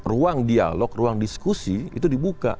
ruang dialog ruang diskusi itu dibuka